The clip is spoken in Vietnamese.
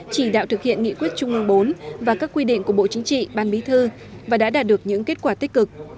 chỉ đạo thực hiện nghị quyết trung ương bốn và các quy định của bộ chính trị ban bí thư và đã đạt được những kết quả tích cực